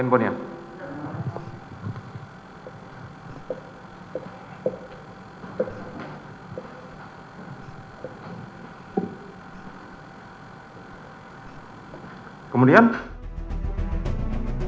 bawa keluar handphonenya